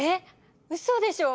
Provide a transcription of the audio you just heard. うそでしょ？